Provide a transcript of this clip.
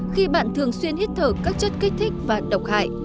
khi bạn thường xuyên hít thở các chất kích thích và độc hại